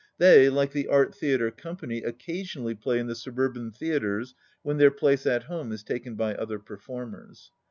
They, like the Art Theatre Company, occasionally play in the subur ban theatres when their place at home is taken by odier performers.